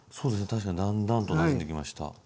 確かにだんだんとなじんできました。